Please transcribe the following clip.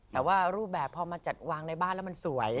แต่ว่ารูปแบบพอมาจัดวางในบ้านแล้วมันสวย